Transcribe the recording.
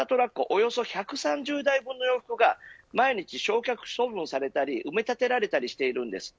およそ１３０台分の洋服が毎日、焼却処分されたり埋め立てられたりしているんです。